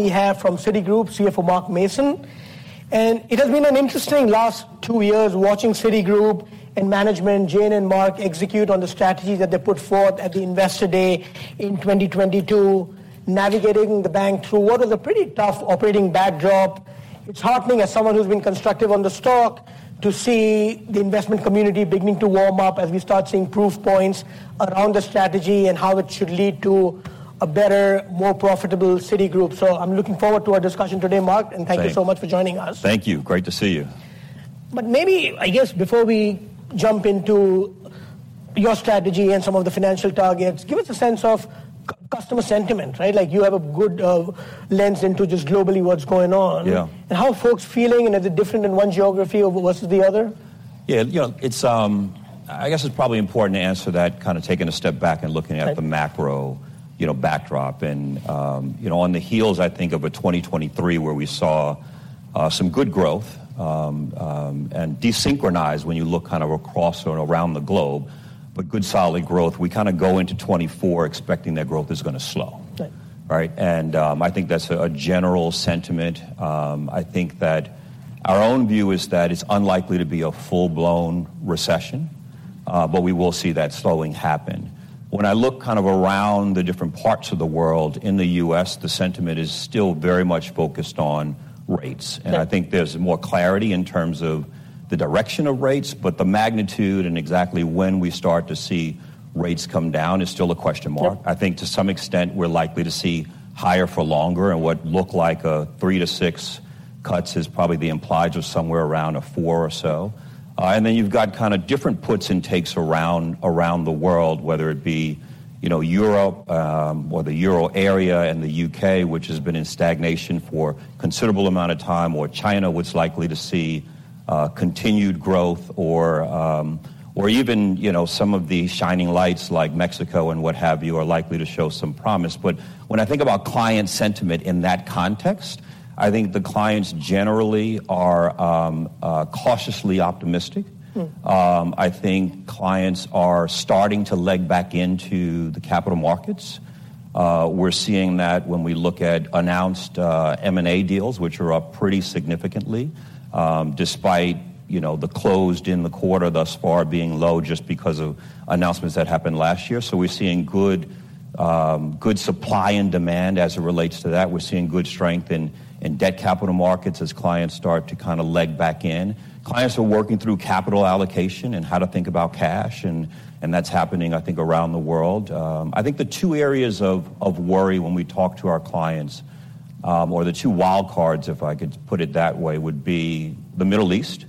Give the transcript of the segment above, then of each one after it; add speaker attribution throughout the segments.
Speaker 1: We have from Citigroup CFO Mark Mason. It has been an interesting last two years watching Citigroup and management, Jane and Mark, execute on the strategy that they put forth at the Investor Day in 2022, navigating the bank through what was a pretty tough operating backdrop. It's heartening as someone who's been constructive on the stock to see the investment community beginning to warm up as we start seeing proof points around the strategy and how it should lead to a better, more profitable Citigroup. I'm looking forward to our discussion today, Mark, and thank you so much for joining us.
Speaker 2: Thank you. Great to see you.
Speaker 1: But maybe, I guess, before we jump into your strategy and some of the financial targets, give us a sense of customer sentiment, right? You have a good lens into just globally what's going on. And how are folks feeling? And is it different in one geography versus the other?
Speaker 2: Yeah. I guess it's probably important to answer that kind of taking a step back and looking at the macro backdrop. And on the heels, I think, of 2023 where we saw some good growth and desynchronized when you look kind of across and around the globe, but good, solid growth, we kind of go into 2024 expecting that growth is going to slow, right? And I think that's a general sentiment. I think that our own view is that it's unlikely to be a full-blown recession, but we will see that slowing happen. When I look kind of around the different parts of the world, in the U.S., the sentiment is still very much focused on rates. And I think there's more clarity in terms of the direction of rates, but the magnitude and exactly when we start to see rates come down is still a question mark. I think to some extent, we're likely to see higher for longer. What looked like a three to six cuts is probably the implied was somewhere around a four or so. Then you've got kind of different puts and takes around the world, whether it be Europe or the euro area and the U.K., which has been in stagnation for a considerable amount of time, or China, which is likely to see continued growth, or even some of the shining lights like Mexico and what have you are likely to show some promise. But when I think about client sentiment in that context, I think the clients generally are cautiously optimistic. I think clients are starting to leg back into the capital markets. We're seeing that when we look at announced M&A deals, which are up pretty significantly despite the closed in the quarter thus far being low just because of announcements that happened last year. So we're seeing good supply and demand as it relates to that. We're seeing good strength in debt capital markets as clients start to kind of leg back in. Clients are working through capital allocation and how to think about cash. And that's happening, I think, around the world. I think the two areas of worry when we talk to our clients, or the two wildcards, if I could put it that way, would be the Middle East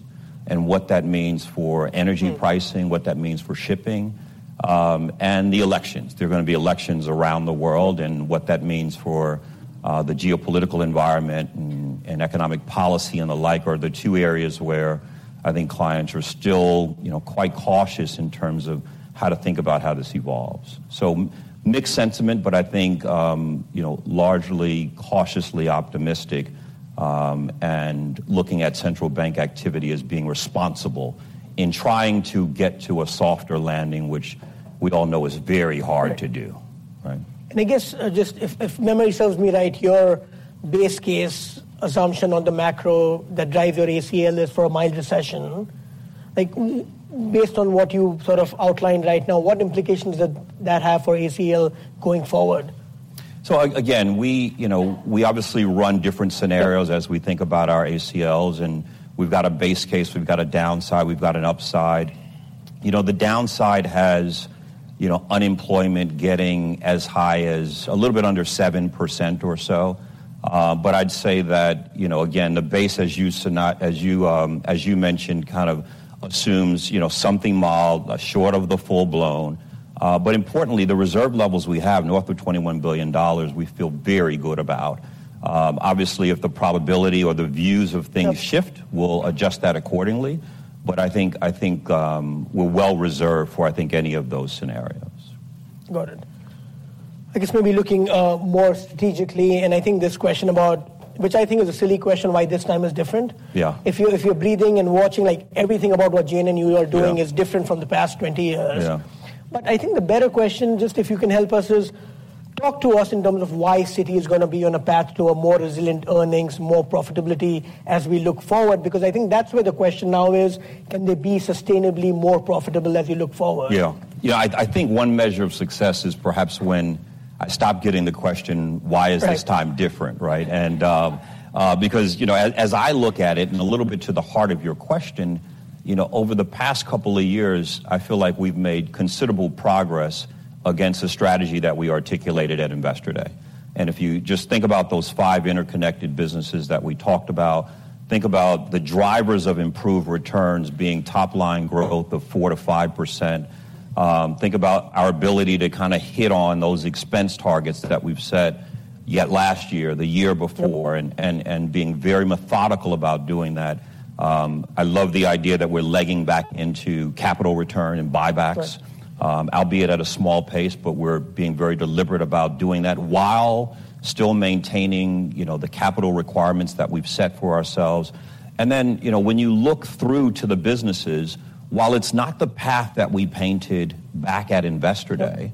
Speaker 2: and what that means for energy pricing, what that means for shipping, and the elections. There are going to be elections around the world. What that means for the geopolitical environment and economic policy and the like are the two areas where I think clients are still quite cautious in terms of how to think about how this evolves. Mixed sentiment, but I think largely cautiously optimistic and looking at central bank activity as being responsible in trying to get to a softer landing, which we all know is very hard to do, right?
Speaker 1: I guess just if memory serves me right, your base case assumption on the macro that drives your ACL is for a mild recession. Based on what you sort of outlined right now, what implications does that have for ACL going forward?
Speaker 2: So again, we obviously run different scenarios as we think about our ACLs. We've got a base case. We've got a downside. We've got an upside. The downside has unemployment getting as high as a little bit under 7% or so. I'd say that, again, the base, as you mentioned, kind of assumes something mild, short of the full-blown. Importantly, the reserve levels we have, north of $21 billion, we feel very good about. Obviously, if the probability or the views of things shift, we'll adjust that accordingly. I think we're well reserved for, I think, any of those scenarios.
Speaker 1: Got it. I guess maybe looking more strategically, and I think this question about which I think is a silly question, why this time is different. If you're breathing and watching, everything about what Jane and you are doing is different from the past 20 years. But I think the better question, just if you can help us, is talk to us in terms of why Citi is going to be on a path to a more resilient earnings, more profitability as we look forward. Because I think that's where the question now is, can they be sustainably more profitable as you look forward?
Speaker 2: Yeah. I think one measure of success is perhaps when I stop getting the question, why is this time different, right? Because as I look at it and a little bit to the heart of your question, over the past couple of years, I feel like we've made considerable progress against the strategy that we articulated at Investor Day. And if you just think about those five interconnected businesses that we talked about, think about the drivers of improved returns being top-line growth of 4%-5%. Think about our ability to kind of hit on those expense targets that we've set yet last year, the year before, and being very methodical about doing that. I love the idea that we're legging back into capital return and buybacks, albeit at a small pace, but we're being very deliberate about doing that while still maintaining the capital requirements that we've set for ourselves. And then when you look through to the businesses, while it's not the path that we painted back at Investor Day,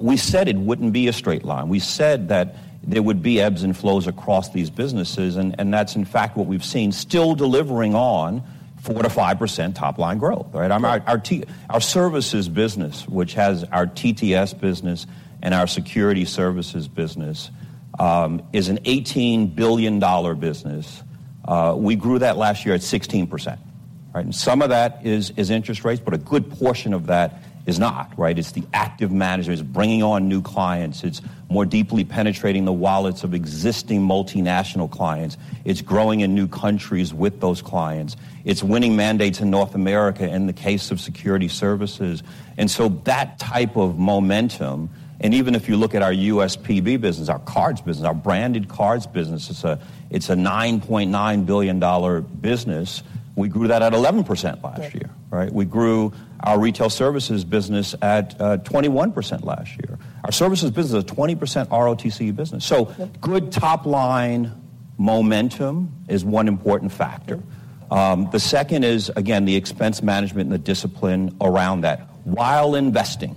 Speaker 2: we said it wouldn't be a straight line. We said that there would be ebbs and flows across these businesses. And that's, in fact, what we've seen, still delivering on 4%-5% top-line growth, right? Our services business, which has our TTS business and our Securities Services business, is an $18 billion business. We grew that last year at 16%, right? And some of that is interest rates, but a good portion of that is not, right? It's the active managers. It's bringing on new clients. It's more deeply penetrating the wallets of existing multinational clients. It's growing in new countries with those clients. It's winning mandates in North America in the case of Securities Services. And so that type of momentum and even if you look at our USPB business, our cards business, our Branded Cards business, it's a $9.9 billion business. We grew that at 11% last year, right? We grew our retail services business at 21% last year. Our services business is a 20% RoTCE business. So good top-line momentum is one important factor. The second is, again, the expense management and the discipline around that while investing,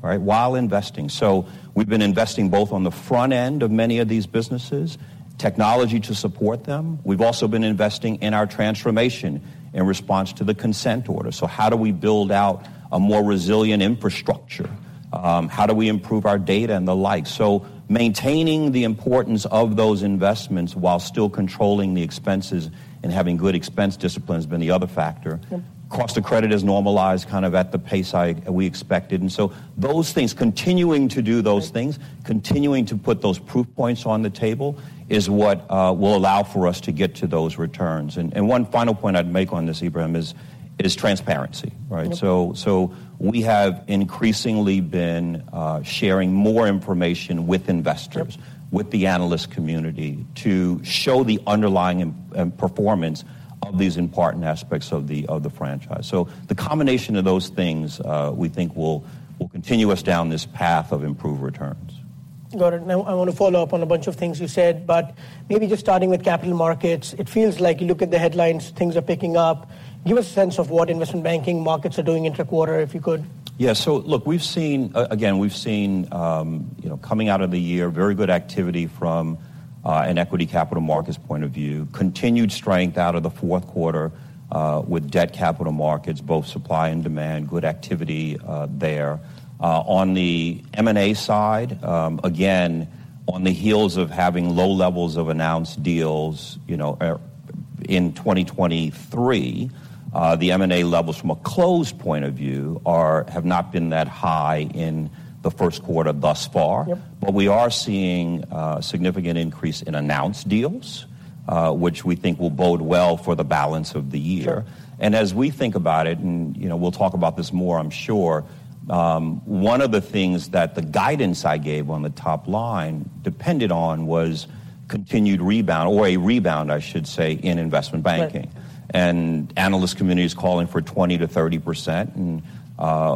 Speaker 2: right? While investing. So we've been investing both on the front end of many of these businesses, technology to support them. We've also been investing in our transformation in response to the consent order. So how do we build out a more resilient infrastructure? How do we improve our data and the like? So maintaining the importance of those investments while still controlling the expenses and having good expense discipline has been the other factor. Cost of credit has normalized kind of at the pace we expected. And so those things, continuing to do those things, continuing to put those proof points on the table is what will allow for us to get to those returns. And one final point I'd make on this, Ibrahim, is transparency, right? So we have increasingly been sharing more information with investors, with the analyst community, to show the underlying performance of these important aspects of the franchise. So the combination of those things, we think, will continue us down this path of improved returns.
Speaker 1: Got it. Now, I want to follow up on a bunch of things you said. But maybe just starting with capital markets, it feels like you look at the headlines, things are picking up. Give us a sense of what investment banking markets are doing interquarter, if you could.
Speaker 2: Yeah. So look, again, we've seen coming out of the year, very good activity from an equity capital markets point of view, continued strength out of the fourth quarter with debt capital markets, both supply and demand, good activity there. On the M&A side, again, on the heels of having low levels of announced deals in 2023, the M&A levels from a closed point of view have not been that high in the first quarter thus far. But we are seeing a significant increase in announced deals, which we think will bode well for the balance of the year. And as we think about it, and we'll talk about this more, I'm sure, one of the things that the guidance I gave on the top line depended on was continued rebound, or a rebound, I should say, in investment banking. And analyst community is calling for 20%-30%.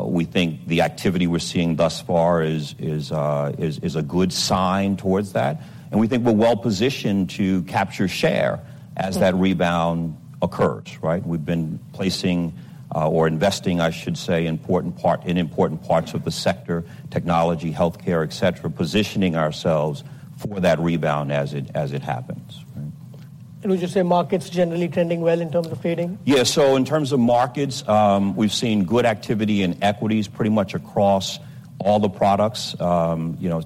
Speaker 2: We think the activity we're seeing thus far is a good sign toward that. We think we're well positioned to capture share as that rebound occurs, right? We've been placing or investing, I should say, in important parts of the sector, technology, healthcare, etc., positioning ourselves for that rebound as it happens, right?
Speaker 1: Would you say markets generally trending well in terms of trading?
Speaker 2: Yeah. So in terms of markets, we've seen good activity in equities pretty much across all the products,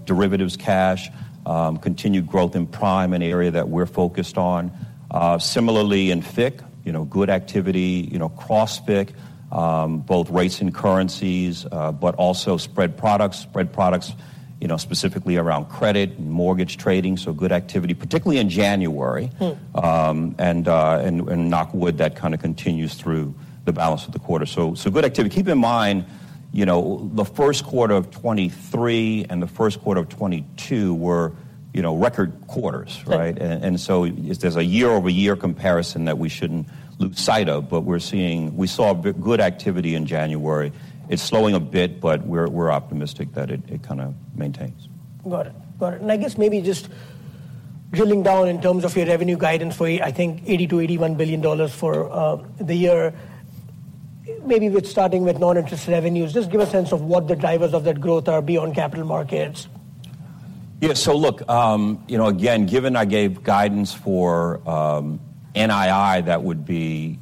Speaker 2: derivatives, cash, continued growth in prime, an area that we're focused on. Similarly, in FICC, good activity, cross-FIC, both rates and currencies, but also Spread Products, Spread Products specifically around credit and mortgage trading. So good activity, particularly in January. And knock wood, that kind of continues through the balance of the quarter. So good activity. Keep in mind, the first quarter of 2023 and the first quarter of 2022 were record quarters, right? And so there's a year-over-year comparison that we shouldn't lose sight of. But we saw good activity in January. It's slowing a bit, but we're optimistic that it kind of maintains.
Speaker 1: Got it. Got it. And I guess maybe just drilling down in terms of your revenue guidance for, I think, $80 billion-$81 billion for the year, maybe starting with non-interest revenues, just give a sense of what the drivers of that growth are beyond capital markets.
Speaker 2: Yeah. So look, again, given I gave guidance for NII, that would be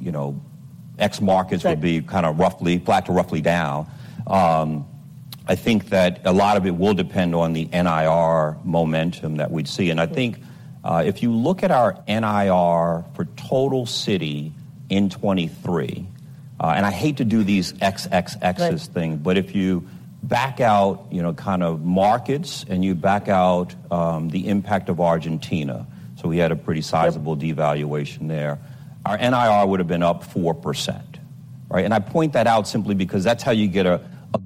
Speaker 2: ex-markets would be kind of roughly flat to roughly down. I think that a lot of it will depend on the NIR momentum that we'd see. And I think if you look at our NIR for total Citi in 2023 and I hate to do these ex's thing, but if you back out kind of markets and you back out the impact of Argentina so we had a pretty sizable devaluation there, our NIR would have been up 4%, right? And I point that out simply because that's how you get a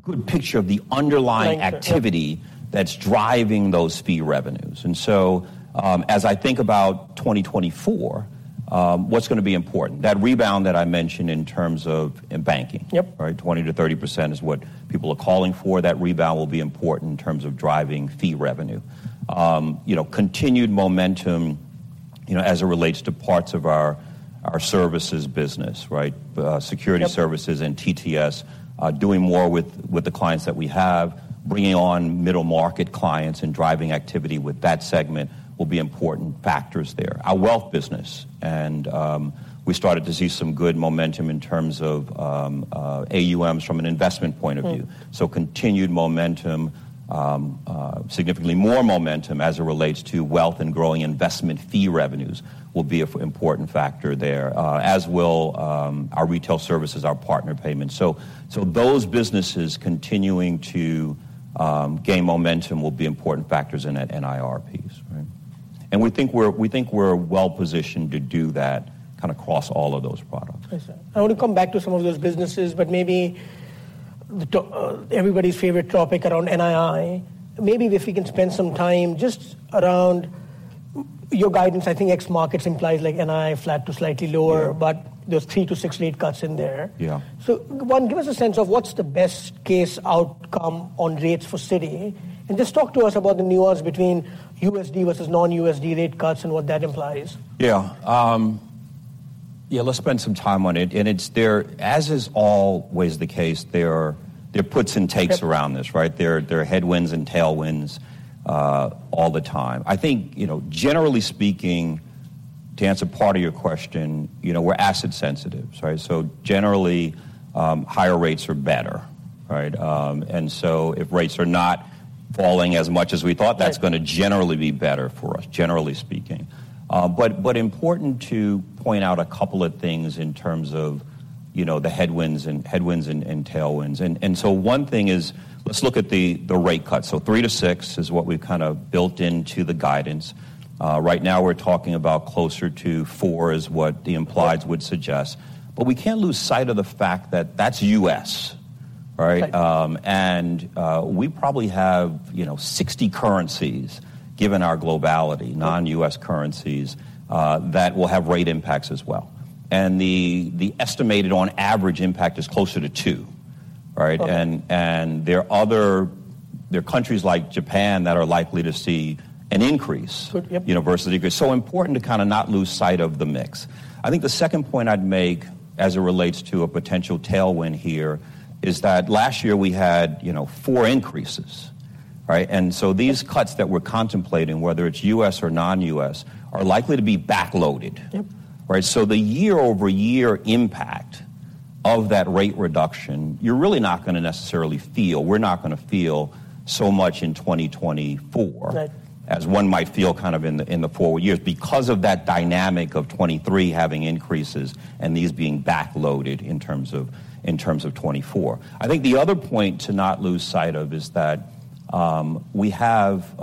Speaker 2: good picture of the underlying activity that's driving those fee revenues. And so as I think about 2024, what's going to be important? That rebound that I mentioned in terms of banking, right? 20%-30% is what people are calling for. That rebound will be important in terms of driving fee revenue, continued momentum as it relates to parts of our Services business, right? Security Services and TTS, doing more with the clients that we have, bringing on middle-market clients and driving activity with that segment will be important factors there. Our Wealth business, and we started to see some good momentum in terms of AUMs from an investment point of view. So continued momentum, significantly more momentum as it relates to Wealth and growing investment fee revenues will be an important factor there, as will our Retail Services, our partner payments. So those businesses continuing to gain momentum will be important factors in that NIR piece, right? And we think we're well positioned to do that kind of across all of those products.
Speaker 1: I want to come back to some of those businesses, but maybe everybody's favorite topic around NII. Maybe if we can spend some time just around your guidance. I think FX markets implies NII flat to slightly lower, but there's three to six rate cuts in there. So, one, give us a sense of what's the best-case outcome on rates for Citi. And just talk to us about the nuance between USD versus non-USD rate cuts and what that implies.
Speaker 2: Yeah. Yeah. Let's spend some time on it. As is always the case, there are puts and takes around this, right? There are headwinds and tailwinds all the time. I think, generally speaking, to answer part of your question, we're asset-sensitive, right? So generally, higher rates are better, right? And so if rates are not falling as much as we thought, that's going to generally be better for us, generally speaking. But important to point out a couple of things in terms of the headwinds and tailwinds. One thing is, let's look at the rate cuts. So three to six is what we've kind of built into the guidance. Right now, we're talking about closer to four is what the implies would suggest. But we can't lose sight of the fact that that's US, right? And we probably have 60 currencies, given our globality, non-U.S. currencies, that will have rate impacts as well. And the estimated on-average impact is closer to two, right? And there are countries like Japan that are likely to see an increase versus a decrease. So important to kind of not lose sight of the mix. I think the second point I'd make as it relates to a potential tailwind here is that last year, we had four increases, right? And so these cuts that we're contemplating, whether it's U.S. or non-U.S., are likely to be backloaded, right? So the year-over-year impact of that rate reduction, you're really not going to necessarily feel we're not going to feel so much in 2024 as one might feel kind of in the forward years because of that dynamic of 2023 having increases and these being backloaded in terms of 2024. I think the other point to not lose sight of is that we have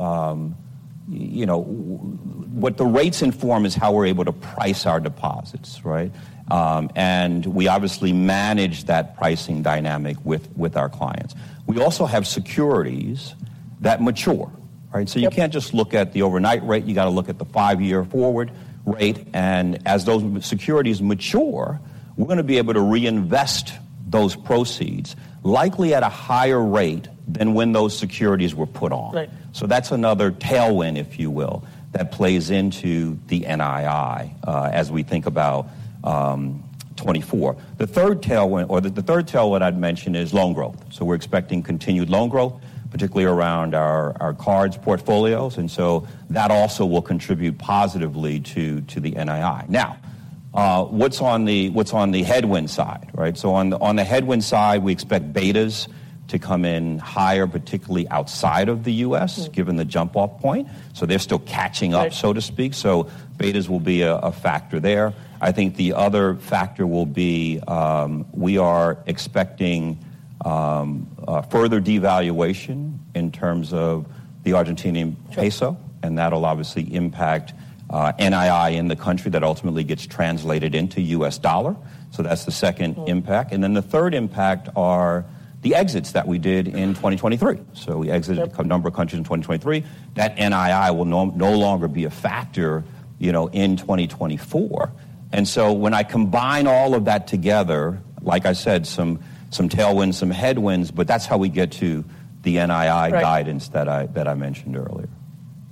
Speaker 2: what the rates inform is how we're able to price our deposits, right? And we obviously manage that pricing dynamic with our clients. We also have securities that mature, right? So you can't just look at the overnight rate. You got to look at the five-year forward rate. And as those securities mature, we're going to be able to reinvest those proceeds, likely at a higher rate than when those securities were put on. So that's another tailwind, if you will, that plays into the NII as we think about 2024. The third tailwind or the third tailwind I'd mention is loan growth. So we're expecting continued loan growth, particularly around our cards portfolios. And so that also will contribute positively to the NII. Now, what's on the headwind side, right? On the headwind side, we expect betas to come in higher, particularly outside of the U.S., given the jump-off point. They're still catching up, so to speak. Betas will be a factor there. I think the other factor will be we are expecting further devaluation in terms of the Argentine peso. That'll obviously impact NII in the country that ultimately gets translated into U.S. dollar. That's the second impact. Then the third impact are the exits that we did in 2023. We exited a number of countries in 2023. That NII will no longer be a factor in 2024. So when I combine all of that together, like I said, some tailwinds, some headwinds, but that's how we get to the NII guidance that I mentioned earlier.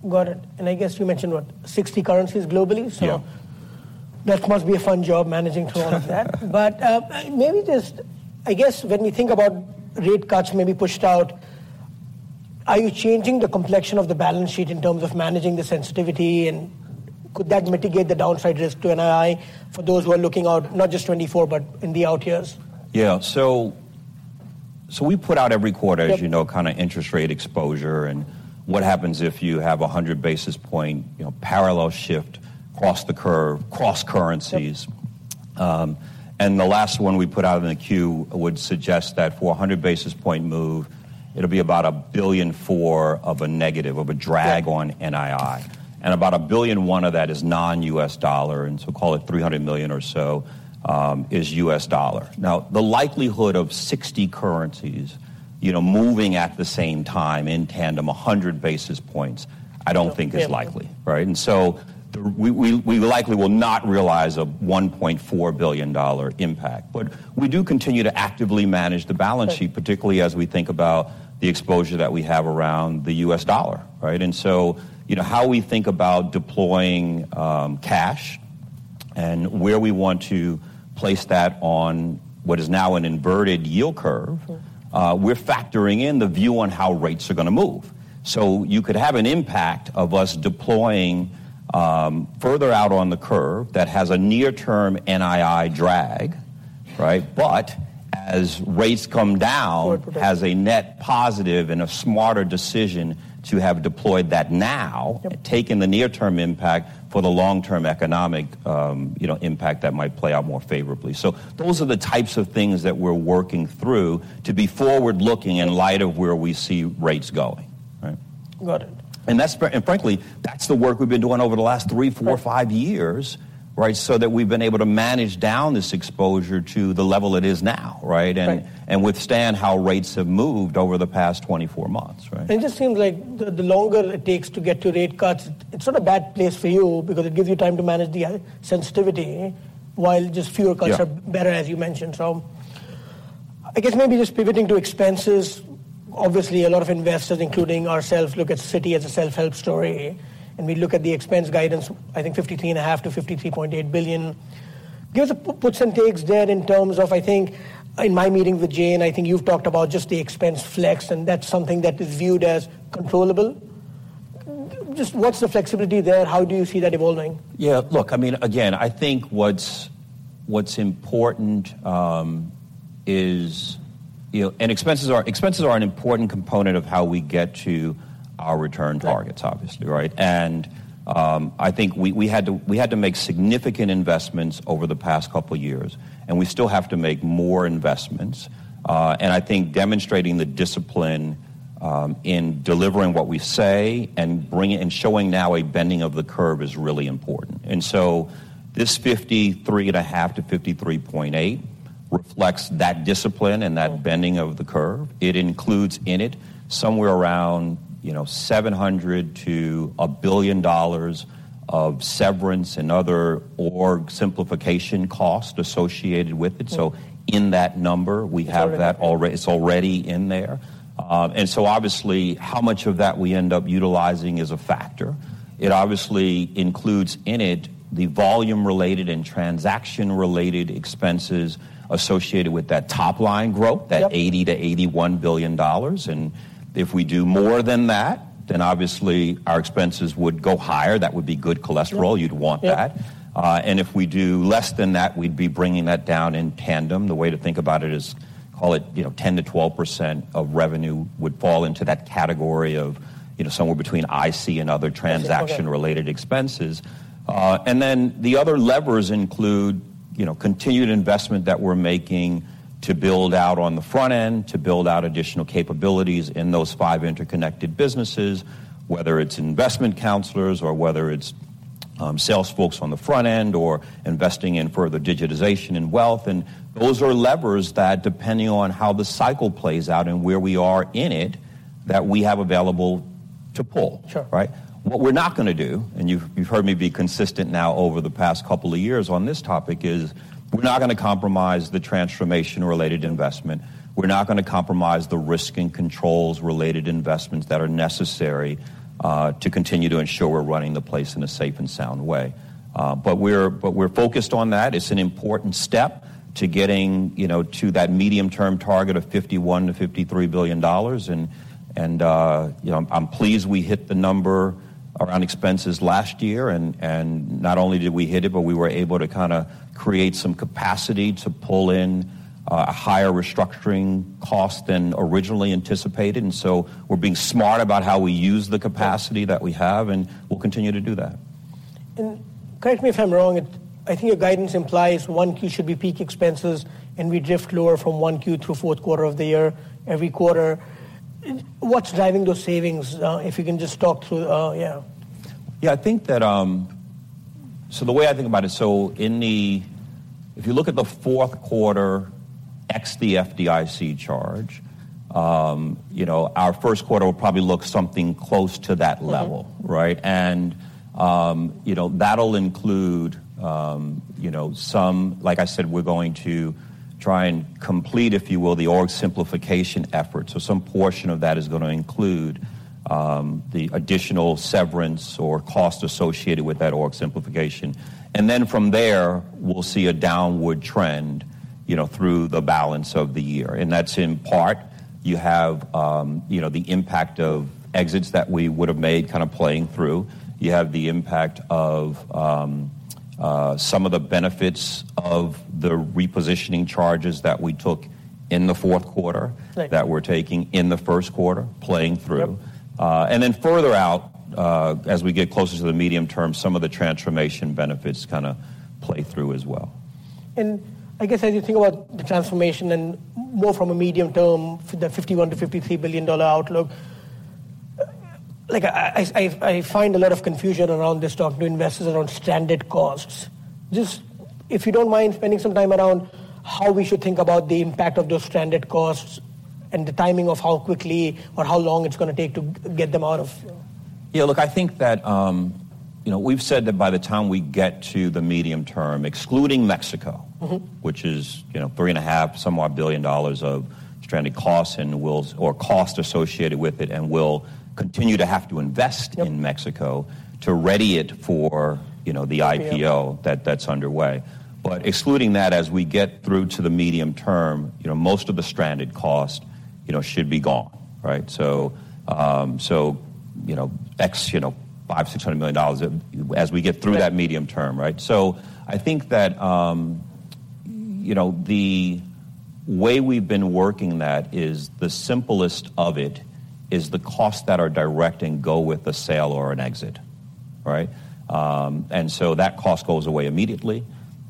Speaker 1: Got it. And I guess you mentioned, what, 60 currencies globally? So that must be a fun job managing through all of that. But maybe just, I guess, when we think about rate cuts maybe pushed out, are you changing the complexion of the balance sheet in terms of managing the sensitivity? And could that mitigate the downside risk to NII for those who are looking out not just 2024, but in the out years?
Speaker 2: Yeah. So we put out every quarter, as you know, kind of interest rate exposure and what happens if you have 100 basis point parallel shift across the curve, cross currencies. And the last one we put out in the queue would suggest that for a 100 basis point move, it'll be about $1.4 billion of a negative, of a drag on NII. And about $1.1 billion of that is non-U.S. dollar. And so call it $300 million or so is U.S. dollar. Now, the likelihood of 60 currencies moving at the same time in tandem, 100 basis points, I don't think is likely, right? And so we likely will not realize a $1.4 billion impact. But we do continue to actively manage the balance sheet, particularly as we think about the exposure that we have around the U.S. dollar, right? And so how we think about deploying cash and where we want to place that on what is now an inverted yield curve, we're factoring in the view on how rates are going to move. So you could have an impact of us deploying further out on the curve that has a near-term NII drag, right? But as rates come down, as a net positive and a smarter decision to have deployed that now, taking the near-term impact for the long-term economic impact that might play out more favorably. So those are the types of things that we're working through to be forward-looking in light of where we see rates going, right? And frankly, that's the work we've been doing over the last three, four, five years, right? So that we've been able to manage down this exposure to the level it is now, right? Withstand how rates have moved over the past 24 months, right?
Speaker 1: It just seems like the longer it takes to get to rate cuts, it's not a bad place for you because it gives you time to manage the sensitivity while just fewer cuts are better, as you mentioned. So I guess maybe just pivoting to expenses, obviously, a lot of investors, including ourselves, look at Citi as a self-help story. And we look at the expense guidance, I think, $53.5 billion-$53.8 billion. Give us the puts and takes there in terms of, I think, in my meeting with Jane, I think you've talked about just the expense flex. And that's something that is viewed as controllable. Just what's the flexibility there? How do you see that evolving?
Speaker 2: Yeah. Look, I mean, again, I think what's important is, and expenses are an important component of how we get to our return targets, obviously, right? I think we had to make significant investments over the past couple of years. And we still have to make more investments. And I think demonstrating the discipline in delivering what we say and showing now a bending of the curve is really important. And so this 53.5-53.8 reflects that discipline and that bending of the curve. It includes in it somewhere around $700 million-$1 billion of severance and other org simplification cost associated with it. So in that number, we have that already. It's already in there. And so obviously, how much of that we end up utilizing is a factor. It obviously includes in it the volume-related and transaction-related expenses associated with that top-line growth, that $80-$81 billion. If we do more than that, then obviously, our expenses would go higher. That would be good cholesterol. You'd want that. If we do less than that, we'd be bringing that down in tandem. The way to think about it is call it 10%-12% of revenue would fall into that category of somewhere between IC and other transaction-related expenses. Then the other levers include continued investment that we're making to build out on the front end, to build out additional capabilities in those five interconnected businesses, whether it's investment counselors or whether it's sales folks on the front end or investing in further digitization and wealth. And those are levers that, depending on how the cycle plays out and where we are in it, that we have available to pull, right? What we're not going to do, and you've heard me be consistent now over the past couple of years on this topic, is we're not going to compromise the transformation-related investment. We're not going to compromise the risk and controls-related investments that are necessary to continue to ensure we're running the place in a safe and sound way. But we're focused on that. It's an important step to getting to that medium-term target of $51 billion-$53 billion. And I'm pleased we hit the number around expenses last year. And not only did we hit it, but we were able to kind of create some capacity to pull in a higher restructuring cost than originally anticipated. We're being smart about how we use the capacity that we have. We'll continue to do that.
Speaker 1: Correct me if I'm wrong. I think your guidance implies Q1 should be peak expenses, and we drift lower from Q1 through fourth quarter of the year every quarter. What's driving those savings? If you can just talk through, yeah.
Speaker 2: Yeah. So the way I think about it, so if you look at the fourth quarter ex the FDIC charge, our first quarter will probably look something close to that level, right? And that'll include some, like I said, we're going to try and complete, if you will, the org simplification effort. So some portion of that is going to include the additional severance or cost associated with that org simplification. And then from there, we'll see a downward trend through the balance of the year. And that's in part, you have the impact of exits that we would have made kind of playing through. You have the impact of some of the benefits of the repositioning charges that we took in the fourth quarter that we're taking in the first quarter, playing through. And then further out, as we get closer to the medium term, some of the transformation benefits kind of play through as well.
Speaker 1: I guess as you think about the transformation and more from a medium-term, the $51-$53 billion outlook, I find a lot of confusion around this talk to investors around stranded costs. Just if you don't mind spending some time around how we should think about the impact of those Stranded Costs and the timing of how quickly or how long it's going to take to get them out of.
Speaker 2: Yeah. Look, I think that we've said that by the time we get to the medium term, excluding Mexico, which is three and a half, somewhere billion dollars of stranded costs or cost associated with it and will continue to have to invest in Mexico to ready it for the IPO that's underway. But excluding that, as we get through to the medium term, most of the stranded cost should be gone, right? So $500-$600 million dollars as we get through that medium term, right? So I think that the way we've been working that is the simplest of it is the costs that are direct and go with a sale or an exit, right? And so that cost goes away immediately.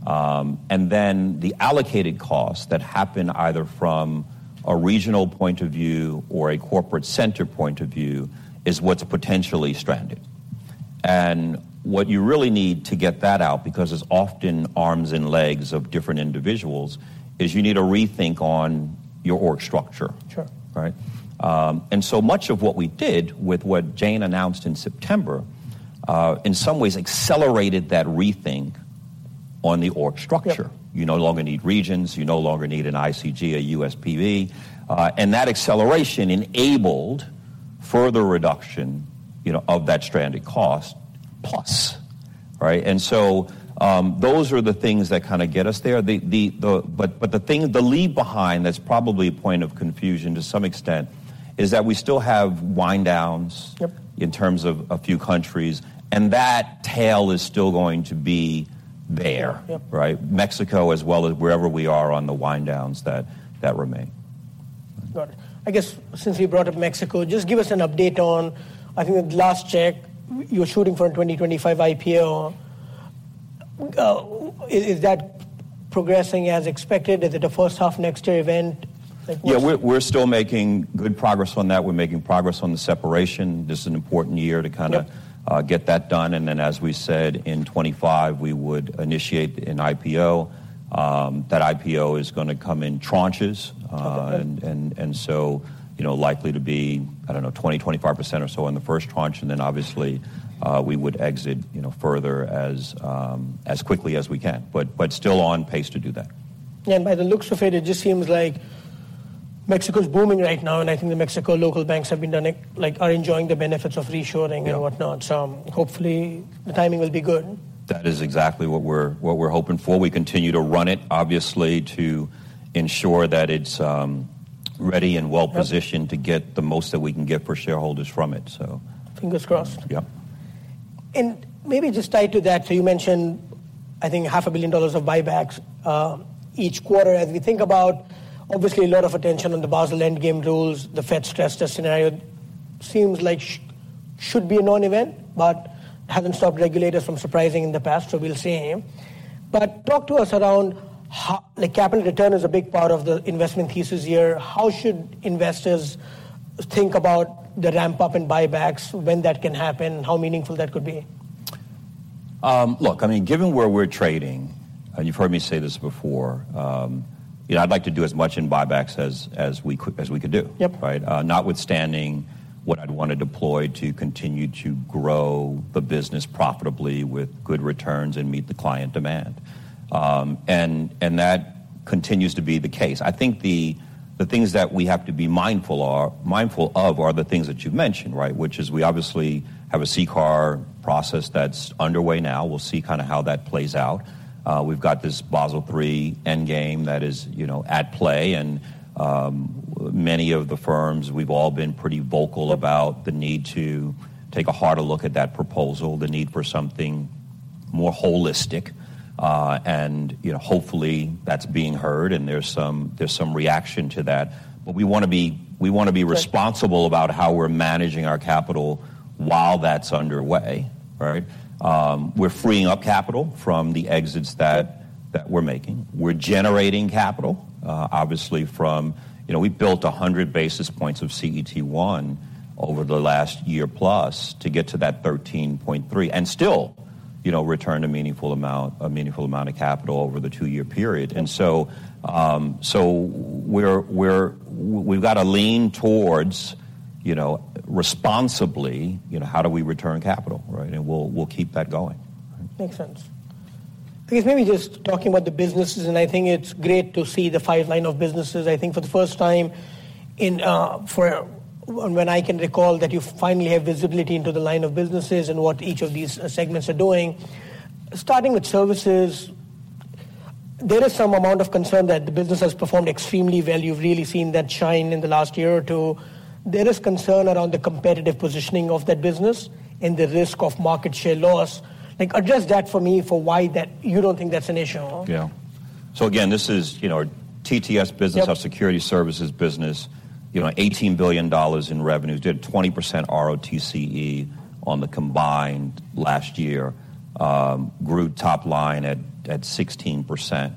Speaker 2: And then the allocated costs that happen either from a regional point of view or a corporate-centered point of view is what's potentially stranded. What you really need to get that out, because it's often arms and legs of different individuals, is you need to rethink on your org structure, right? So much of what we did with what Jane announced in September, in some ways, accelerated that rethink on the org structure. You no longer need regions. You no longer need an ICG, a USPB. And that acceleration enabled further reduction of that stranded cost plus, right? So those are the things that kind of get us there. But the lead behind that's probably a point of confusion to some extent is that we still have wind-downs in terms of a few countries. And that tail is still going to be there, right? Mexico, as well as wherever we are on the wind-downs that remain.
Speaker 1: Got it. I guess since you brought up Mexico, just give us an update on, I think, the last check, you're shooting for a 2025 IPO. Is that progressing as expected? Is it a first-half, next-year event?
Speaker 2: Yeah. We're still making good progress on that. We're making progress on the separation. This is an important year to kind of get that done. And then, as we said, in 2025, we would initiate an IPO. That IPO is going to come in tranches. And so likely to be, I don't know, 20%-25% or so in the first tranche. And then, obviously, we would exit further as quickly as we can. But still on pace to do that.
Speaker 1: Yeah. By the looks of it, it just seems like Mexico's booming right now. I think the Mexico local banks are enjoying the benefits of reshoring and whatnot. So hopefully, the timing will be good.
Speaker 2: That is exactly what we're hoping for. We continue to run it, obviously, to ensure that it's ready and well-positioned to get the most that we can get for shareholders from it, so.
Speaker 1: Fingers crossed.
Speaker 2: Yep.
Speaker 1: And maybe just tied to that, so you mentioned, I think, $500 million of buybacks each quarter. As we think about, obviously, a lot of attention on the Basel III Endgame rules, the Fed stress test scenario seems like should be a non-event, but hasn't stopped regulators from surprising in the past. So we'll see. But talk to us around capital return is a big part of the investment thesis here. How should investors think about the ramp-up and buybacks, when that can happen, how meaningful that could be? Look, I mean, given where we're trading, and you've heard me say this before, I'd like to do as much in buybacks as we could do, right? Notwithstanding what I'd want to deploy to continue to grow the business profitably with good returns and meet the client demand. That continues to be the case. I think the things that we have to be mindful of are the things that you've mentioned, right? Which is we obviously have a CCAR process that's underway now. We'll see kind of how that plays out. We've got this Basel III Endgame that is at play. Many of the firms, we've all been pretty vocal about the need to take a harder look at that proposal, the need for something more holistic. Hopefully, that's being heard. There's some reaction to that. But we want to be responsible about how we're managing our capital while that's underway, right? We're freeing up capital from the exits that we're making. We're generating capital, obviously, from we built 100 basis points of CET1 over the last year-plus to get to that 13.3 and still return a meaningful amount of capital over the two-year period. And so we've got to lean towards responsibly, how do we return capital, right? And we'll keep that going. Makes sense. I guess maybe just talking about the businesses. I think it's great to see the five lines of business. I think for the first time that I can recall that you finally have visibility into the lines of business and what each of these segments are doing, starting with Services. There is some amount of concern that the business has performed extremely well. You've really seen that shine in the last year or two. There is concern around the competitive positioning of that business and the risk of market share loss. Address that for me for why you don't think that's an issue.
Speaker 2: Yeah. So again, this is our TTS business, our security services business. $18 billion in revenue. Did 20% RoTCE on the combined last year. Grew top-line at 16%.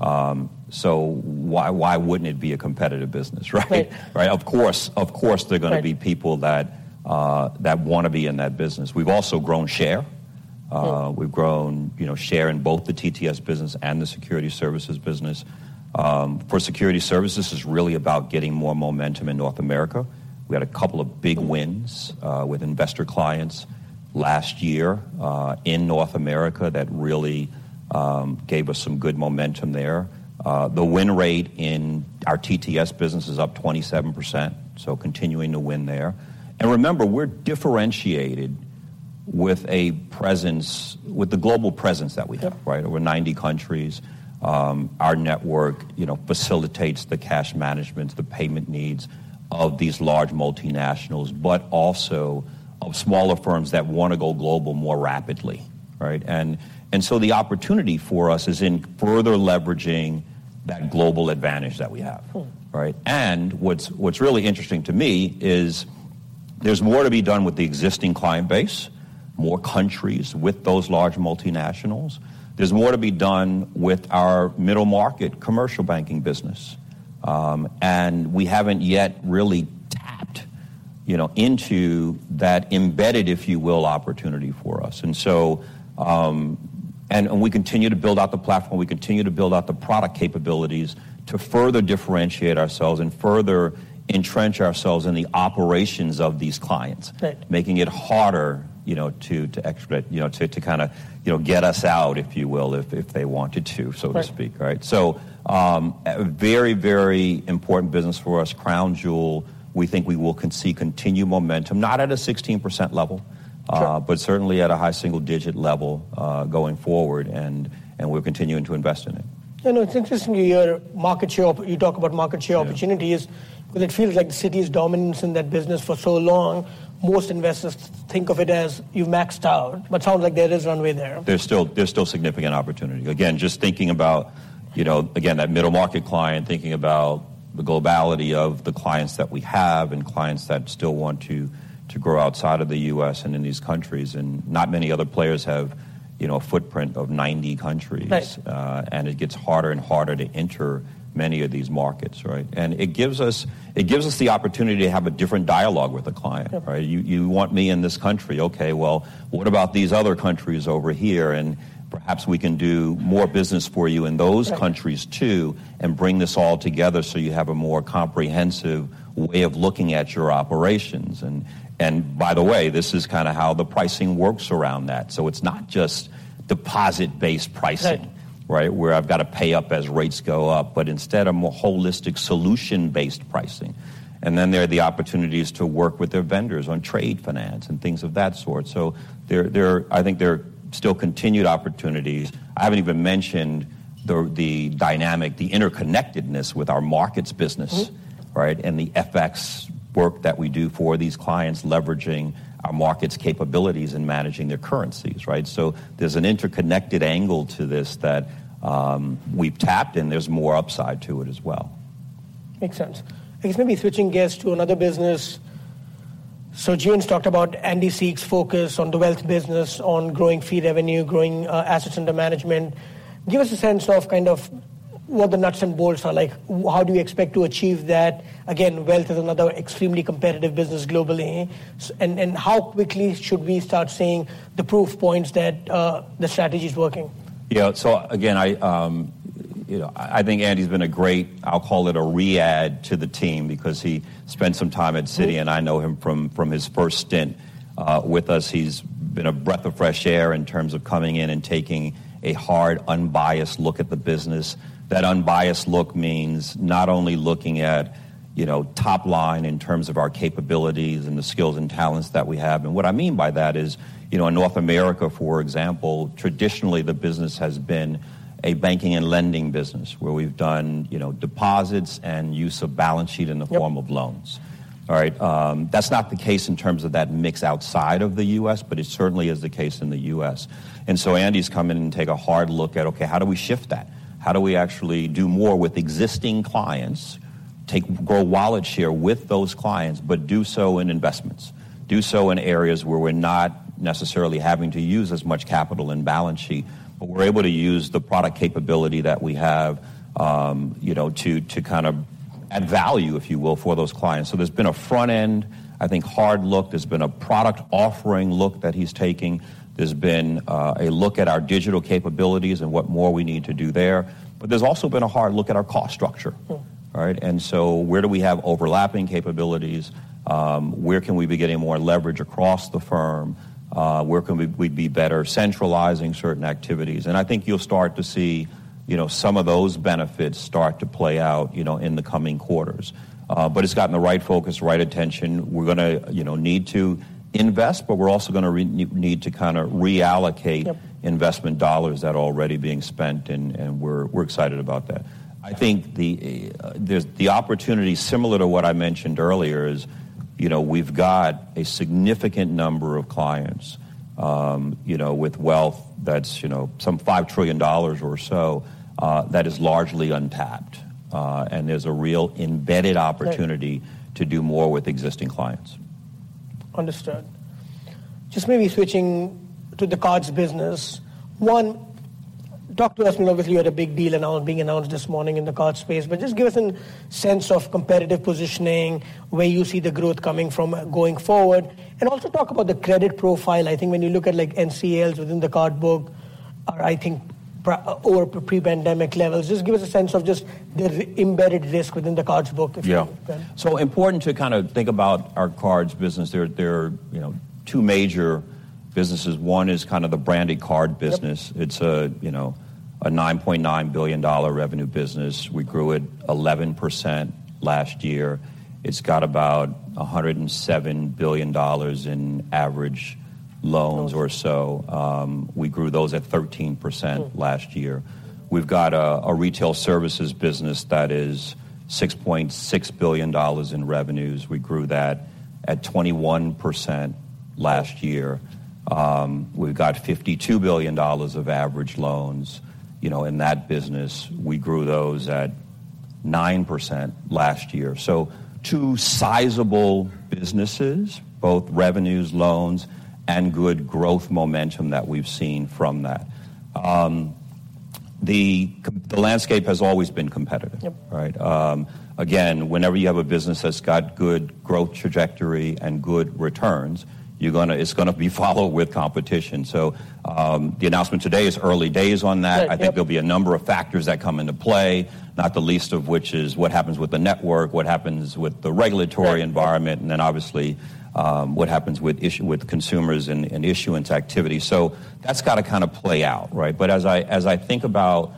Speaker 2: So why wouldn't it be a competitive business, right? Of course, of course, there are going to be people that want to be in that business. We've also grown share. We've grown share in both the TTS business and the security services business. For security services, it's really about getting more momentum in North America. We had a couple of big wins with investor clients last year in North America that really gave us some good momentum there. The win rate in our TTS business is up 27%. So continuing to win there. And remember, we're differentiated with the global presence that we have, right? Over 90 countries. Our network facilitates the cash managements, the payment needs of these large multinationals, but also of smaller firms that want to go global more rapidly, right? And so the opportunity for us is in further leveraging that global advantage that we have, right? And what's really interesting to me is there's more to be done with the existing client base, more countries with those large multinationals. There's more to be done with our middle-market commercial banking business. And we haven't yet really tapped into that embedded, if you will, opportunity for us. And we continue to build out the platform. We continue to build out the product capabilities to further differentiate ourselves and further entrench ourselves in the operations of these clients, making it harder to kind of get us out, if you will, if they wanted to, so to speak, right? So very, very important business for us. Crown Jewel, we think we will see continued momentum, not at a 16% level, but certainly at a high single-digit level going forward. We're continuing to invest in it.
Speaker 1: Yeah. No, it's interesting you talk about market share opportunities because it feels like Citi's dominance in that business for so long, most investors think of it as you've maxed out. But sounds like there is runway there.
Speaker 2: There's still significant opportunity. Again, just thinking about, again, that middle-market client, thinking about the globality of the clients that we have and clients that still want to grow outside of the U.S. and in these countries. And not many other players have a footprint of 90 countries. And it gets harder and harder to enter many of these markets, right? And it gives us the opportunity to have a different dialogue with a client, right? You want me in this country. Okay. Well, what about these other countries over here? And perhaps we can do more business for you in those countries too and bring this all together so you have a more comprehensive way of looking at your operations. And by the way, this is kind of how the pricing works around that. It's not just deposit-based pricing, right, where I've got to pay up as rates go up, but instead, a more holistic solution-based pricing. Then there are the opportunities to work with their vendors on trade finance and things of that sort. I think there are still continued opportunities. I haven't even mentioned the dynamic, the interconnectedness with our markets business, right, and the FX work that we do for these clients, leveraging our markets' capabilities and managing their currencies, right? There's an interconnected angle to this that we've tapped, and there's more upside to it as well.
Speaker 1: Makes sense. I guess maybe switching gears to another business. So Jane's talked about Andy Sieg's focus on the wealth business, on growing fee revenue, growing assets under management. Give us a sense of kind of what the nuts and bolts are. How do you expect to achieve that? Again, wealth is another extremely competitive business globally. And how quickly should we start seeing the proof points that the strategy is working?
Speaker 2: Yeah. So again, I think Andy's been a great I'll call it a re-add to the team because he spent some time at Citi, and I know him from his first stint with us. He's been a breath of fresh air in terms of coming in and taking a hard, unbiased look at the business. That unbiased look means not only looking at top-line in terms of our capabilities and the skills and talents that we have. And what I mean by that is in North America, for example, traditionally, the business has been a banking and lending business where we've done deposits and use of balance sheet in the form of loans, right? That's not the case in terms of that mix outside of the U.S., but it certainly is the case in the U.S. And so Andy's come in and take a hard look at, "Okay. How do we shift that? How do we actually do more with existing clients, grow wallet share with those clients, but do so in investments, do so in areas where we're not necessarily having to use as much capital in balance sheet, but we're able to use the product capability that we have to kind of add value, if you will, for those clients?" So there's been a front-end, I think, hard look. There's been a product offering look that he's taking. There's been a look at our digital capabilities and what more we need to do there. But there's also been a hard look at our cost structure, right? And so where do we have overlapping capabilities? Where can we be getting more leverage across the firm? Where can we be better centralizing certain activities? And I think you'll start to see some of those benefits start to play out in the coming quarters. But it's gotten the right focus, right attention. We're going to need to invest, but we're also going to need to kind of reallocate investment dollars that are already being spent. And we're excited about that. I think the opportunity, similar to what I mentioned earlier, is we've got a significant number of clients with wealth that's some $5 trillion or so that is largely untapped. And there's a real embedded opportunity to do more with existing clients.
Speaker 1: Understood. Just maybe switching to the cards business. One, talk to us. Obviously, you had a big deal being announced this morning in the card space. But just give us a sense of competitive positioning, where you see the growth coming from going forward. And also talk about the credit profile. I think when you look at NCLs within the card book, I think, or pre-pandemic levels, just give us a sense of just the embedded risk within the cards book, if you can.
Speaker 2: Yeah. So important to kind of think about our cards business. There are two major businesses. One is kind of the brands cards business. It's a $9.9 billion revenue business. We grew it 11% last year. It's got about $107 billion in average loans or so. We grew those at 13% last year. We've got a Retail Services business that is $6.6 billion in revenues. We grew that at 21% last year. We've got $52 billion of average loans in that business. We grew those at 9% last year. So two sizable businesses, both revenues, loans, and good growth momentum that we've seen from that. The landscape has always been competitive, right? Again, whenever you have a business that's got good growth trajectory and good returns, it's going to be followed with competition. So the announcement today is early days on that. I think there'll be a number of factors that come into play, not the least of which is what happens with the network, what happens with the regulatory environment, and then obviously, what happens with consumers and issuance activity. So that's got to kind of play out, right? But as I think about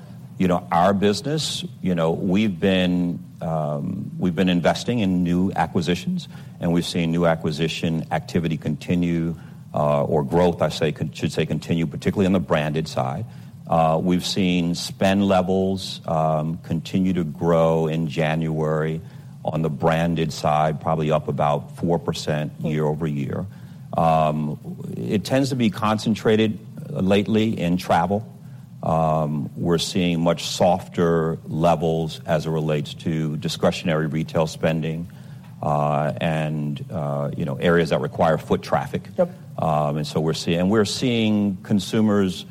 Speaker 2: our business, we've been investing in new acquisitions. We've seen new acquisition activity continue or growth, I should say, continue, particularly on the branded side. We've seen spend levels continue to grow in January on the branded side, probably up about 4% year-over-year. It tends to be concentrated lately in travel. We're seeing much softer levels as it relates to discretionary retail spending and areas that require foot traffic. So we're seeing consumers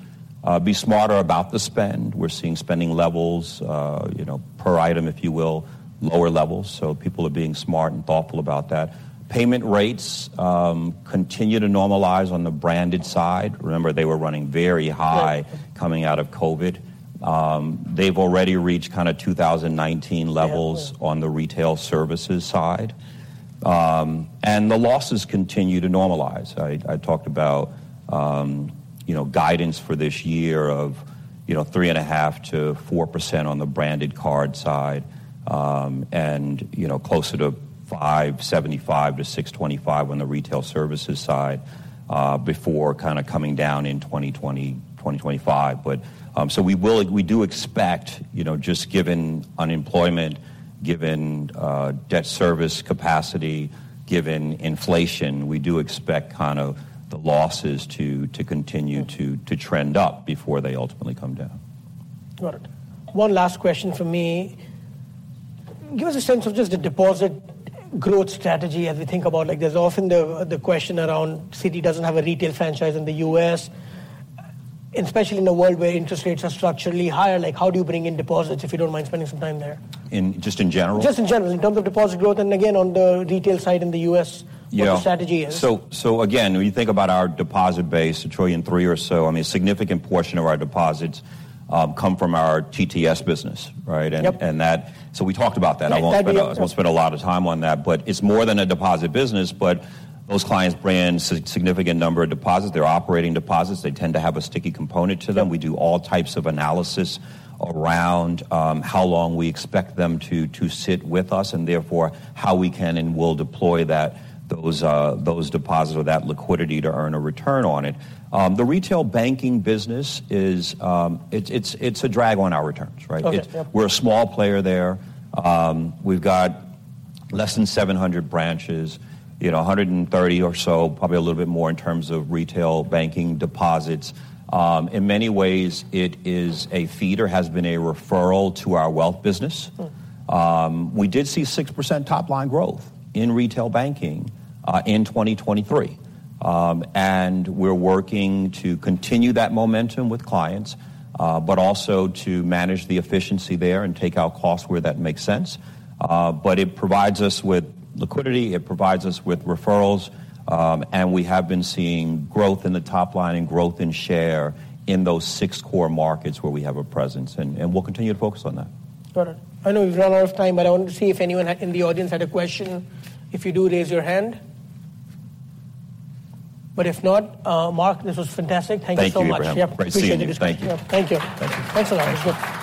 Speaker 2: be smarter about the spend. We're seeing spending levels per item, if you will, lower levels. So people are being smart and thoughtful about that. Payment rates continue to normalize on the branded side. Remember, they were running very high coming out of COVID. They've already reached kind of 2019 levels on the retail services side. And the losses continue to normalize. I talked about guidance for this year of 3.5%-4% on the branded card side and closer to 7.5%-6.25% on the retail services side before kind of coming down in 2024, 2025. So we do expect, just given unemployment, given debt service capacity, given inflation, we do expect kind of the losses to continue to trend up before they ultimately come down.
Speaker 1: Got it. One last question from me. Give us a sense of just the deposit growth strategy as we think about. There's often the question around, "Citi doesn't have a retail franchise in the U.S.," especially in a world where interest rates are structurally higher. How do you bring in deposits if you don't mind spending some time there?
Speaker 2: Just in general?
Speaker 1: Just in general, in terms of deposit growth. And again, on the retail side in the U.S., what the strategy is?
Speaker 2: So again, when you think about our deposit base, $1.3 trillion or so, I mean, a significant portion of our deposits come from our TTS business, right? And so we talked about that. I won't spend a lot of time on that. But it's more than a deposit business. But those clients bring in a significant number of deposits. They're operating deposits. They tend to have a sticky component to them. We do all types of analysis around how long we expect them to sit with us and therefore how we can and will deploy those deposits or that liquidity to earn a return on it. The retail banking business, it's a drag on our returns, right? We're a small player there. We've got less than 700 branches, 130 or so, probably a little bit more in terms of retail banking deposits. In many ways, it is a feed or has been a referral to our wealth business. We did see 6% top-line growth in retail banking in 2023. And we're working to continue that momentum with clients but also to manage the efficiency there and take out costs where that makes sense. But it provides us with liquidity. It provides us with referrals. And we have been seeing growth in the top-line and growth in share in those six core markets where we have a presence. And we'll continue to focus on that.
Speaker 1: Got it. I know we've run out of time, but I wanted to see if anyone in the audience had a question. If you do, raise your hand. But if not, Mark, this was fantastic. Thank you so much.
Speaker 2: Thank you, Mark.
Speaker 1: Yep. Appreciate the discussion.
Speaker 2: Thank you.
Speaker 1: Yep. Thank you. Thanks a lot. It was good.